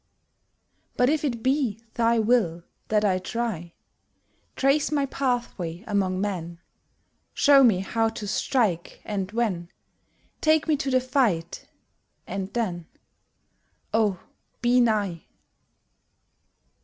But if it be thy will That I try, Trace my pathway among men, Show me how to strike, and when, Take me to the fight and then, Oh, be nigh!